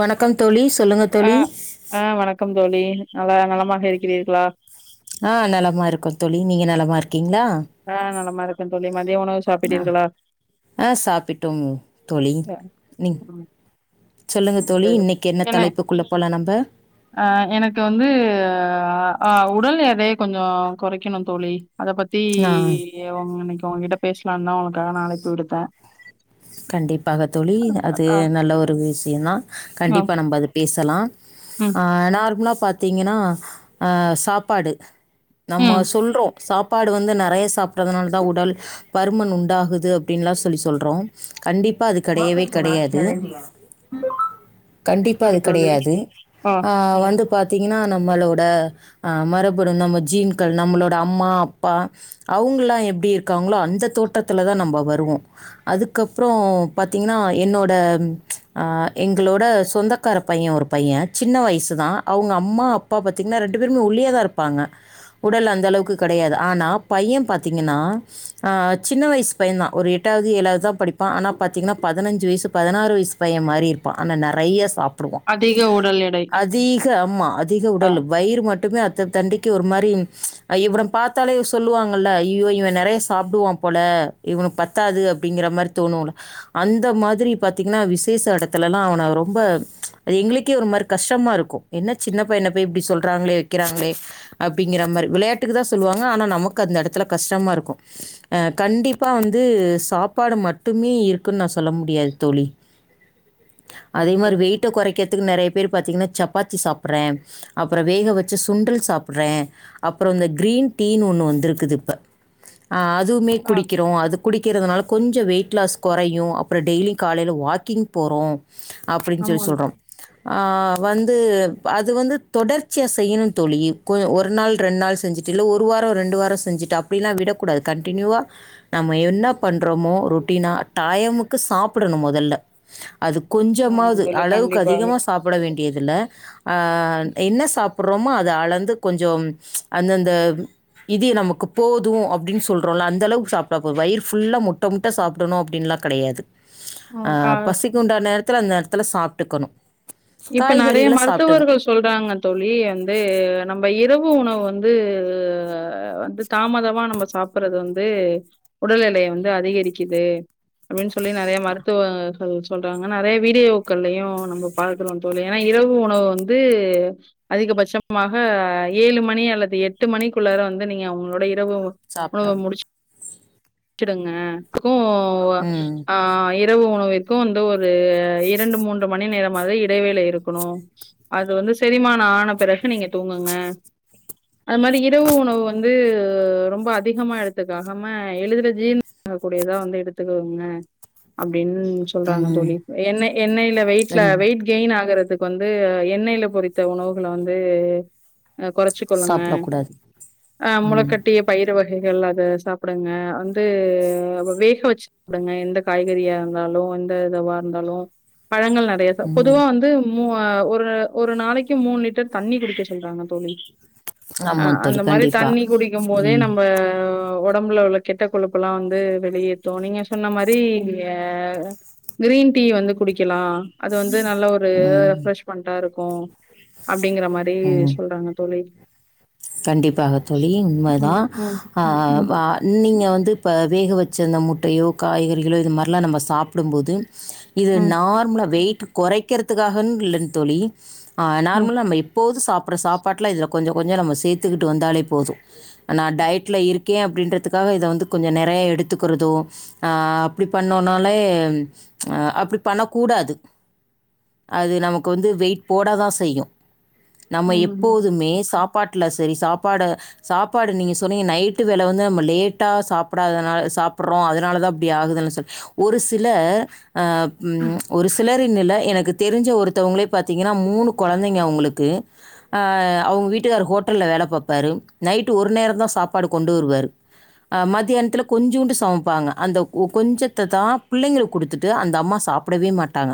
வணக்கம் தோழி சொல்லுங்க ஆ தோழி ஆ வணக்கம் தோழி நல்லா நலமாக இருக்கிறீர்களா ஆ நலமா இருக்கோம் தோழி நீங்க நலமா இருக்கீங்ளா ஆ நலமா இருக்கேன் தோழி மத்திய உணவு ஆ சாப்பிட்டீர்களா ஆ சாப்பிட்டோங் தோழி அ நீங் ம் சொல்லுங்க தோழி ம் இன்னைக்கி என்ன தலைப்புக்குள்ள போலாம் நம்ப அ எனக்கு வந்து அ அ உடல் எடைய கொஞ்சோ கொறைக்கணு தோழி அத பத் ஆ ஏ உங் இன்னைக்கு உங்கிட்ட பேசலாம்தா உனக்காக நா அழைப்பு விடுத்த பாகத் தோழி அது நல்ல ஒரு விஷயோந்தா ம் கண்டிப்பா நம்ப அது பேசலா ஆ நார்மலா பாத்தீங்கன்னா ஆ சாப்பாடு நம்ம ம் சொல்றோ சாப்பாடு வந்து நறைய சாப்புட்றதுனால தா உடல் பருமன் உண்டாகுது அப்டின்லாம் சொல்லி சொல்றோம் கண்டிப்பா அது கெடையவே கெடையாது கண்டிப்பா சரி அது தோழி. கெடையாது ஆ வந்து பாத்தீங்கன்னா நம்மளோட அ மரபனு நம்ம ஜீன்கள் நம்மளோட அம்மா அப்பா அவுங்கல்லா எப்டி இருக்காங்ளோ அந்த தோற்றத்துல தா நம்போ வருவோ அதுக் அதுகப்றோ பாத்தீங்கன்னா என்னோட ம் அ எங்களோட சொந்தக் கார பையே ஒரு பையே சின்ன வயசுதா அவுங்க அம்மா அப்பா பாத்தீங்கன்னா ரெண்டு பேருமே ஒல்லியா தா இருப்பாங்க உடல் அந்தளவுக்கு கெடையாது ஆனா பையே பாத்திங்கன்னா சின்ன வயசு பையே தா ஒரு எட்டாவது ஏழாவதுதா படிப்பா ஆனா பாத்தீங்கன்னா பதினஞ்சு வயசு பதினாறு வயசு பையே மாரி இருப்பா ஆனா நறைய சாப் டுவா அதிக உடல் எடை அதீக ஆமா அதிக ஆ உடல் வயிறு மட்டுமே அ இத்த தண்டிக்கி ஒரு மாரி இவன பாத்தாலே சொல்லுவாங்கல்ல ஐயோ இவ நெறைய சாப்டுவா போல இவனுக்கு பத்தாது அப்டிங்கிற மாரி தோணுல்ல அந்த மாதிரி பாத்தீங்னா விசேஷ எடத்துலல்லா அவன ரொம்ப அது எங்களுக்கே ஒரு மாரி கஷ்டமா இருக்கு என்னச் சின்னப் பையன போய் இப்டி சொல்றாங்ளே வெக்கிறாங்ளே அப்டிங்கிற மாரி விளையாட்டுக்கு தா சொல்லுவாங்க ஆனா நமக்கு அந்த எடத்துல கஷ்டமா இருக்கு அ கண்டிப்பா வந்து சாப்பாடு மட் டுமே இருக்குன்னு நா சொல்ல முடியாது தோழி அதே மாரி வெயிட்ட கொறைக் கெத்துக்கு நெறைய பேர் பாத்தீங்ன்னா சப்பாத்தி சாப்பற்றே அப்பறோ வேக வச்ச சுண்டல் சாப்ட்றே அப்புறோ இந்த கிரீன் டீனு ஒண்ணு வந்திருக்குது இப்ப ஆ அதுவுமே ஆ குடிக்கிறோ அது குடிக்கிறதுனால கொஞ்ச வெயிட் க்கிளாஸ் கொறையு அப்புற டெய்லி காலையில வாக்கிங் போறோ அப்டின்னு சொல்லி ஆமா சொல்றோ ஆ வந்து அது வந்து தொடர்ச்சியா செய்யணு தோழி கொ ஒரு நாள் ரெண் நாள் செஞ்சிட்டு இல்ல ஒரு வார ரெண்டு வார செஞ்சிட்டு அப்டில்லா விடக்கூடாது கண்டினியூவா நம்ம என்ன பண்றோமோ ரொட் டீனா டயமுக்கு சாப்படணு மொதல்ல அது ஆமா கொஞ்சமாவது தோழி அளவுக்கு கண்டிப்பாக அதிகமா சாப் பட வேண்டியதில்ல ஆ என்ன சாப்புற்றோமோ அத அளந்து கொஞ்சோம் ச் அந்தந்த இதி நமக்கு போது அப்டின் சொல்றோல்ல அந்தளவுக்கு சாப்டா போது வயிறு ஃபுல்லா முட்ட முட்ட சாப் புடனு அப்டீன்லா கடையாது ஆ பசிக்கு உண்டா நேரத்துல அந்த நேரத்துல சாப்ட்டுக்கணு இப்ப நெறைய மருத்துவர்கள் ஸ் சொல்றாங்க தோழி வந்து நம்ப இரவு உணவு வந்து வந்து தாமதமா நம்ப சாப்ட்றது வந்து உடல் எடய வந்து அதிகரிக்கிது அபடின் சொல்லி நறைய மருத்துவர்கள் சொல்றாங்க நறைய வீடியோக்கள்லையு நம்ப பாக்குறோன் தோழி ஏனா இரவு உணவு வந்து அதிகபட்சமாக ஏழு மணி அல்லது எட்டு மணிக்குள்ளாற வந்து நீங்க உங்களோட இரவு சாப்டனு விட்டுடுங்க கோவ்வ ம் ஆ எப் இரவு உணவிர்க்கு வந்து ஒரு இரண்டு மூன்று மணி நேரமாது இடைவேளை இருக்கணு அது வந்து செரிமானோ ஆன பிறகு நீங்க தூங்குங்க அது மாரி இரவு உணவு வந்து ரொம்ப அதிகமா எடுத்துக்காகம நா எழுதுறதீன் அ கூடியதா வந்து எடுத்துக்கோங்க அப்டீன்னு சொல்றாங்க ம் தோழி எண்ணெய் எண்ணெயில வெயிட்ஸ்ல ரெண்டு வெயிட் கெயின் ஆகறதுக்கு வந்து எண்ணெயில பொறித்த உணவுகள வந்து அ கொறச்சு கொல்லுங்க சாப்டக்கூடாது ஆ ம் முளைக்கட்டிய பயிறு வகைகள் அத சாப் குடுங்க வந்து அப்ப வேக வச்சு குடுங்க எந்த காய்கறியா இருந்தாலு எந்த இதுவா இருந்தாலு பழங்கள் நெறைய சாப் ம் பொதுவா வந்து மூவா ஒரு ஒரு நாளைக்கு மூணு லிட்டர் தண்ணி குடிக்க சொல்றாங்க தோழி ஆ ஆமா அந்த தோழி மாரி கண்டிப்பா தண்ணி குடிக்கும் போதே ம் நம்ப உடம்புல உள்ள கெட்ட கொழுப்பெல்லா வந்து வெளியேத்து நீங்க சொன்ன மாரி ஏ கிரீன் டீ வந்து குடிக்கலா அது வந்து நல்ல ஒரு ம் ரெஃப்ரெஷ் பண்டா இருக்கு அப்டீங்கிற மாரி ம் சொல்றாங்க தோழி கண்டிப்பாக தோழி உண்மதா ம், ம், ஆ ம், வா நீங்க வந்து இப்ப வேக வச்சந்த முட்டையோ காய்கறிகளோ இது மாரிலா நம்ம சாப்டும்போது இது ம், நார்மலா வெயிட்ட கொறைக்கிறதுக்காகன் இல்லன் தோழி ஆ ம், நார்மலா நம்ம எப் போது சாப்ற சாப்பாட்டுல இதுல கொஞ்ச கொஞ்ச நம்ம சேத்துகிட்டு வந்தாலே போது நா டயட்ல இருக்கே அப்டீன்றதுக்காக இத வந்து கொஞ்ச நெறைய எடுத்துக்குறது ஆ அப்டி பண்ணோனாலே ச் ஆ அப்டி பண்ண கூடாது அது நமக்கு வந்து வெயிட் போடதா செய்யு நம்ம ம், எப்போதுமே சாப் ட்ல சரி சாப்பாடு சாப்பாடு நீங்க சொன்னீங்க நைட்டு வேல வந்து நம்ம லேட்டா சாப்படாதனால சாப்பட்றோ அதனாலதா அப்டி ஆகுதுன் சொல்லி ஒரு சில ஆ ம் ஒரு சிலரினில எனக்கு தெரிஞ்ச ஒருத்தவங்களே பாத்தீங்கன்னா மூணு கொழந்தைங்க அவுங்களுக்கு ஆ அவுங்க வீட்டுக்காரு ஹோட் டல்ல வேலை பாப்பாரு நைட்டு ஒரு நேரந்தா சாப்பாடு கொண்டு வருவாரு ஆ மத்யானத்தில கொஞ்சூண்டு சமப்பாங்க அந்த கொ கொஞ்சத்ததா பிள்ளைங்களுக்கு குடுத்துட்டு அந்த அம்மா சாப் ப்டவே மாட்டாங்க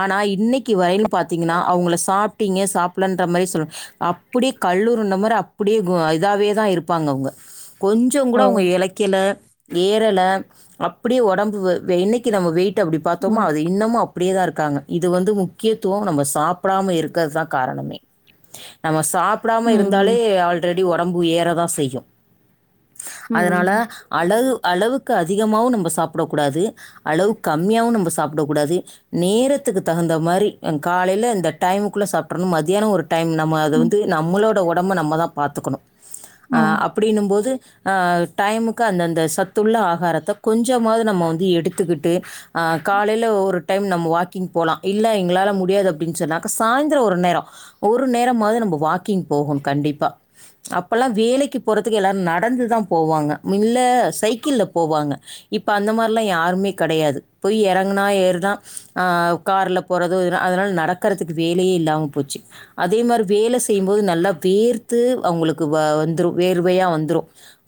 ஆனா இன்னைக்கு வரையிலு பாத்தீங்கனா அவுங்கள சாப்ட்டீங்க சாப்லன்ற மாரி சொல் அப்படி கல்லூ ர்ன மாரி அப்டியே இதாவே தா இருப்பாங்க அவங்க கொஞ்சோ ஓ! கூட அவங்க இலைக்கல ஏறல அப்டியே உடம்பு வே இன்னைக்கு நம்ம வெயிட் அப்டி பாத்தோம்மா ம். அதே இன்னமு அப்டியேதா இருக்காங்க இது வந்து முக்கியத்துவ நம்ம சாப்டாம இருக்கிறதுதா காரணமே நம்ம சாப்டாம ம், இருந் ம், து ஆல்ரெடி உடம்பு ஏற தா செய்யு அதனால ம், அளகு அளவுக்கு அதிகமாவு நம்ம சாப்டக் கூடாது அளவு கம்மியாவு நம்ம சாப்டக் கூடாது நேரத்துக்கு தகுந்த மாரி காலைல இந்த டைமுக்குள்ள சாப்ட்ரனு மதியான ஒரு டைம் நம்ம அது ம், வந்து நம்மளோட உடம்ப நம்ம தா பாத்துக்கணு அ ம். அப்டினு போது ஆ டைமுக்கு அந்தந்த சத்துள்ள ஆகாரத்த கொஞ்சமாவது நம்ம வந்து எடுத்துக்கிட்டு ஆ காலைல ஒரு டைம் நம்ம வாக்கிங் போலா இல்ல எங்களால முடியாது அப்டின் சொன்னாக்க சாயந்தர ஒரு நேர ஒரு நேரமாவது நம்ம வாக்கிங் போகணு கண்டிப்பா அப்பல்லா வேலைக்கு போறதுக்கு எல்லாரு நடந்துதா போவாங்க இல்ல சைக்கிள்ல போவாங்க இப் இப்ப அந்த மாரிலா யாருமே கெடையாது போய் இறங்குனா ஏறுனா ஆ கார்ல போறது அதனால நடக் க்கறதுக்கு வேலையே இல்லாம போச்சி அதே மாரி வேலை செய்யும்போது நல்லா தேர்த்து அவங்களுக்கு வ வந்துரு வேர்வையா வந்துரு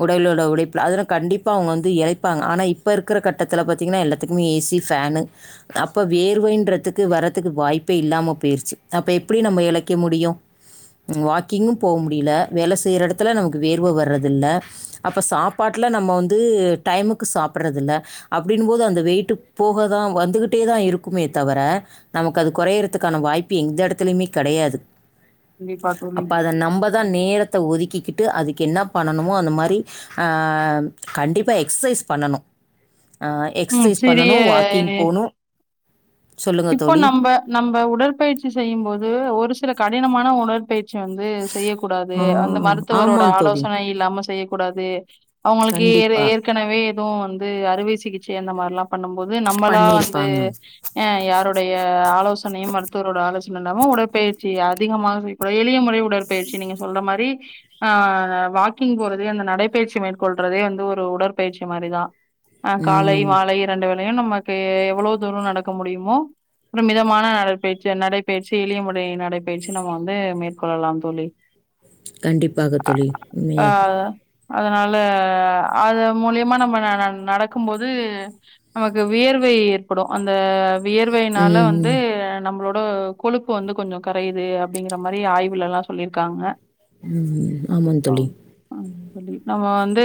உடல்ல உள்ள உழைப்புல அதெல்லா கண்டிப்பா அவங்க வந்து இழைப்பாங்க ஆனா இப் இப்ப இருக்குற கட்டத்துல பாத்தீங்கனா எல்லாத்துக்குமே ஏசி ஃபேனு அப்ப வேர்வைன்றதுக்கு வர்றதுக்கு வாய்ப்பே இல்லாம போயிருச்சு அப்ப எப்டி நம்ம இழைக்க முடியு ம் வாட் கிங்கு போ முடில வேலை செய்யிற இடத்துல நமக்கு வேர்வை வர்றதில்ல அப்ப சாப்பாட்டுல நம்ம வந்து டைமுக்கு சாப்டறதில்ல அப்டின்னு போது அந்த வெயிட்டு போகதா வந்துகிட்டே தா இருக்குமே தவர நமக்கு அது கொறயரதுக்கான வாய்ப்பு எந்த எடத்துலயுமே கெடையாது கண்டிப்பா தோழி. அப்போ அத நம்ம தா நேரத்த ஒதுக்கிக்கிட்டு அதுக்கு என்ன பண்ணணுமோ அந்த மாரி ஆ கண்டிப்பா எக்ஸ்சைஸ் பண்ணணு ஆ ம். எக்ஸ்சைஸ் சிறிய பண்ணணு வாக்கிங் போணு இப்போ நம்ப நம்ப உடற்பயிற்சி செய்யு போது ஒரு சில கடினமான உடற்பயிற்சி வந்து செய்யக்கூடாது ஆ அந்த மருத்துவரோட ஆமாம் தோழி ஆலோசனை இல்லாம செய்யக்கூடாது அவங்களுக்கு ஏற் கண்டிப்பாக ஏற்க கனவே எதுவு வந்து அறுவை சிகிச்சை அந்த மாரிலா பண்ணுபோது நம்மளா வந்து பண்ணியிருப்பாங்க யாருடைய ஆலோசனையு மருத்துவரோட ஆலோசனை இல்லாம உடற்பயிற்சி அதிகமாக செய்ய கூடாது எளிய முறை உடற்பயிற்சி நீங்க சொல்ற மாரி ஆ வாக்கிங் போறதே அந்த நடைப்பயிற்சி மேற்கொள்றதே வந்து ஒரு உடற்பயிற்சி மாரிதா ஆ காலை ம். மாலை ரெண்டு வேளையு நமக்கு எவ்ளோ‌ தூர நடக்க முடியுமோ அப்பற மிதமான நடைபயிற்சி நடைபயிற்சி எளிய முறை நடைபயிற்சி நம்ம வந்து மேற்கொள்ளலா தோழி கண்டிப்பாக தோழி ஆ உண்மையாக அதனால அது மூலியமா நம்ம நடக்கு போது நமக்கு வியர்வை ஏற்படு அந்த வியர்வைனால ம். வந்து நம்மளோ ட கொழுப்பு வந்து கொஞ்சோ கரைது அப்டிங்கிற மாரி ஆய்வுலல்லா சொல்லிருக்காங்க ம் ஆமா தோழி ஆமா தோழி நம்ம வந்து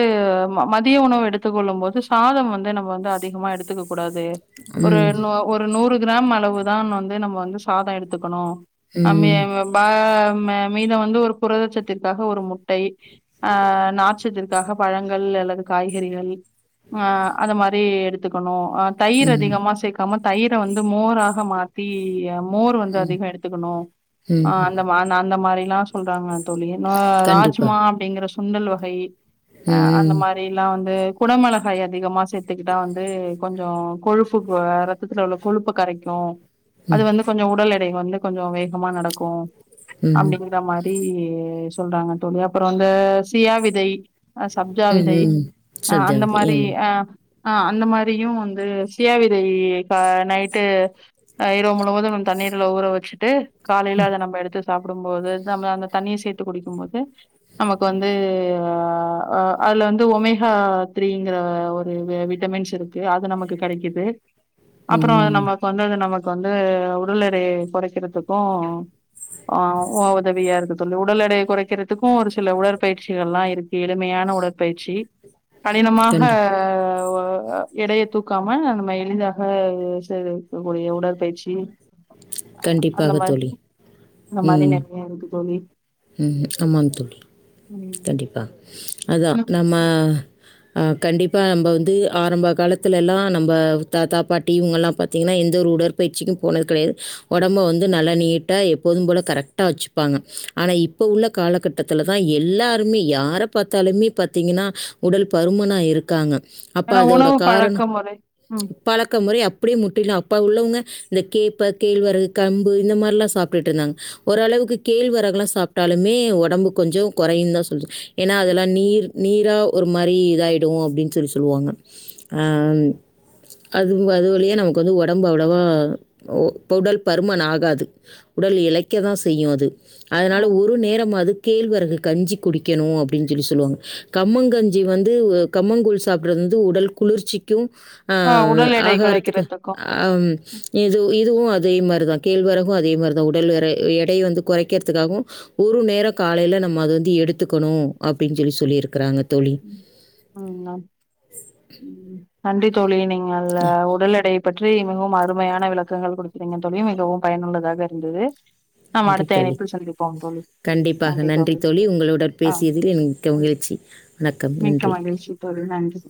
மதிய உணவு எடுத்துக் கொள்ளும் போது சாதம் வந்து நம்ம வந்து அதிகமா எடுத்துக்க கூடாது ஒரு ம். ஒரு நூறு கிராம் அளவுதா வந்து நம்ம வந்து சாதோ எடுத்துக்கணு அம்மே ம். அம் ப மீதம் வந்து ஒரு புரதட்சத்திற்காக ஒரு முட்டை ஆ நாற்ச்சத்திற்கு க்க பழங்கள் அல்லது காய்கறிகள் ஆ அந்த மாரி எடுத்துக்கணு தயிர் ம். அதிகமா சேர்க்காம தயிர வந்து மோராக மாத்தி அ மோர் வந்து அதிகோ எடுத்துக்கணு ம். ஆ அந்த அந்த மாரி எல்லா சொல்றாங்களா தோழி கண்டிப்பா. ராஜ்மா அப்படிங்கற சுண்டல் வகை ஆ அந்த ம். மாரி எல்லா வந்து குடமிளகாய் அதிகமா சேர்த்துக்கிட்டா வந்து கொஞ்சு கொழுப்பு ரத்தத்தில் உள்ள கொழுப்பு கரைக்கனு அது வந்து கொஞ்சு உடல் எடை வந்து கொஞ்சு வேகமா நடக்கு ம். அப்படிங்க இந்த மாதிரி சொல்றாங்க தோழி அப்புறோ வந்து சியா விதை ஆ சப்ஜா ம். விதை ம். ஆ அந்த சப்ஜாவது. மாதிரி ம். அ அ அந்த மாதிரியு வந்து சியா விதை நைட்டு இரவு முழுவது தண்ணீர்ல ஊற வச்சுட்டு காலையில அத நம்ம எடுத்து சாப்பிடும் போது நம்ம அந்த தண்ணியை சேர்த்து குடிக்கும் போது நமக்கு வந்து அதுல வந்து ஒமேகா த்ரீங்கிற ஒரு விட்டமின்ஸ் இருக்கு அது நமக்கு கெடைக்குது அப்புறோ ம். நம்ம வந்தது நமக்கு வந்து உடல் எடை குறைக்கிறதுக்கு ஆ ஓதவியாருந்தது அது உடல் எடைய குறைக்கிறதுக்கு ஒரு சில உடற்பயிற்சிகள் எல்லா இருக்கு எளிமையான உடற்பயிற்சி கடினமாக கண்டிப் எடையை தூக்காம நம்ம எளிதாக இருக்கக்கூடிய உடற்பயிற்சி அந்த கண்டிப்பாக தோழி. மாதி அந்த மாதிரி ம். நெறையா இருக்கு தோழி ம் ஆமாம் தோழி ம். கண்டிப்பா அதா ம். நம்ம கண்டிப்பா நம்ம வந்து ஆரம்ப காலத்துலெல்லா நம்ப தாத்தா பாட்டி இவங்கலா பத்தி பாத்தீங்கன்னா எந்த ஒரு உடற்பயிற்சிக்கு போனது கெடையாது ஒடம்ப வந்து நல்லா நீட்டா எப்போது போல கரெக்டா வச்சுப்பாங்க ஆனா இப்ப உள்ள காலகட்டத்துல தா எல்லாருமே யார பாத்தாலுமே பாத்தீங்கன்னா உடல் பருமனா இருக்காங்க அப்ப ஏன்னா அதோட உணவு பழக்க காரணம் முறை ம். பழக்க முறை அப்டியே முட்டிலு அப்போ உள்ளவங்க இந்த கேப்ப கேழ்வரகு கம்பு இந்த மாரி எல்லா சாப்பிட்டுட்டு இருந்தாங்க ஓரளவுக்கு கேழ்வரகு எல்லா சாப்பிட்டாலுமே ஒடம்பு கொஞ்சு கொறையுன் தா சொல்லு ஏன்னா அதெல்லா நீர் நீரா ஒரு மாரி இதாயிடு அப்படின்னு சொல்லி சொல்லுவாங்க அ அதுவு அது வழியா நமக்கு வந்து உடம்பு அவ்வளோவா உடல் பருமன் ஆகாது உடல் இழைக்க தா செய்யு அது அதனால ம். ஒரு நேரம் அதுக் கேழ்வரகு கஞ்சி குடிக்கணு அப்படின்னு சொல்லி சொல்லுவாங்க கம்மங்கஞ்சி வந்து கம்மங்கூழ் சாப்பிடுறது வந்து உடல் குளிர்ச்சிக்கு ஆ உடல் எடை ஆகாரத்துக்கு குறைக்கிறதுக்கு இது இதுவு அதே மாரிதா கேழ்வறகு அதே மாரிதா உடல் வ எடை வந்து கொறை கொறைக்குறதுக்காகவு ஒரு நேரோ காலையில நம்ம அது வந்து எடுத்துக்கணு அப்படின்னு சொல்லி சொல்லிருக்கிறாங்க தோளி உம் நன்றி தோழி நீங்க உடல் எடை பற்றி மிகவும் அருமையான விளக்கங்கள் கொடுக்குறீங்க தோழி மிகவும் பயனுள்ளதாக இருந்தது நாம் நன்றி அடுத்த தோழி இணைப்பில் சந்திப்போம் தோழி கண்டிப்பாக நன்றி தோழி உங்களுடன் ஆ பேசியதில் என் மிக்க மகிழ்ச்சி வணக்கம் மிக்க நன்றி மகிழ்ச்சி தோழி நன்றி